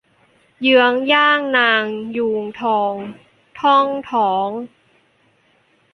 เยื้องย่างนางยูงทอง ท่องท้อง